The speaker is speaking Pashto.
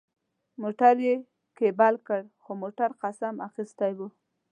موټر یې کېبل کړ، خو موټر قسم اخیستی و.